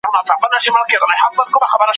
که شاعرانو ته درناوی وسي، نو ادب نه کمزوری کیږي.